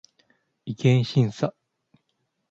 違憲審査